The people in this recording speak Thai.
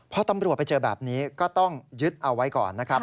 พอตำรวจไปเจอแบบนี้ก็ต้องยึดเอาไว้ก่อนนะครับ